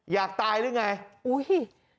อยากตายหรือไง